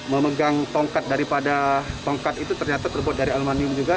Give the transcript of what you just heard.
memegang tongkat daripada tongkat itu ternyata terbuat dari aluminium juga